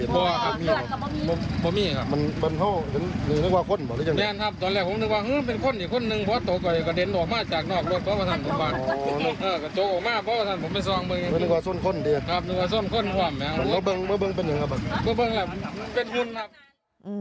ละเบิ้งเป็นฮุมครับ